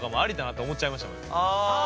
ああ。